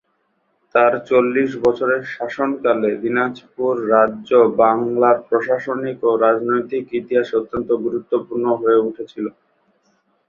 তাঁর চল্লিশ বছরের শাসনকালে দিনাজপুর রাজ্য বাংলার প্রশাসনিক ও রাজনৈতিক ইতিহাসে অত্যন্ত গুরুত্বপূর্ণ হয়ে উঠেছিল।